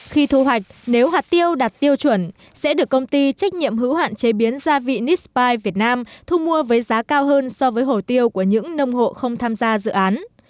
khi thu hoạch nếu hạt tiêu đạt tiêu chuẩn sẽ được công ty trách nhiệm hữu hạn chế biến gia vị nespai việt nam thu mua với giá cao hơn so với hồ tiêu của những nông hộ không tham gia dự án